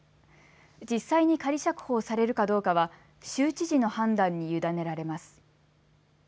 実際に仮釈放されるかどうかは州知事の判断に委ねられます。